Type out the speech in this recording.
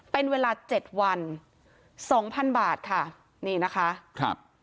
เป็นเวลาเจ็ดวันสองพันบาทค่ะนี่นะคะครับ